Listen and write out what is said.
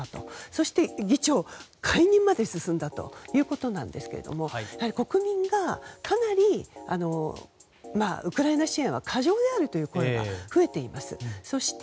そして、議長解任まで進んだということですが国民からかなりウクライナ支援は過剰であるという声が増えています。